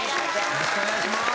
よろしくお願いします。